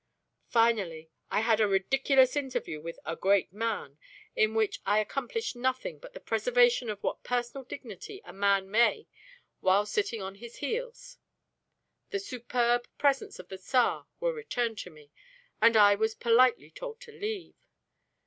Finally, I had a ridiculous interview with a 'great man,' in which I accomplished nothing but the preservation of what personal dignity a man may while sitting on his heels; the superb presents of the Tsar were returned to me, and I was politely told to leave.